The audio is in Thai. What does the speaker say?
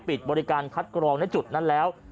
ปิดบริการคัดกรองในจุดนั้นแล้ว